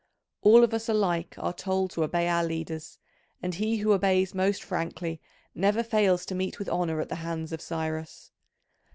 All of us alike are told to obey our leaders, and he who obeys most frankly never fails to meet with honour at the hands of Cyrus.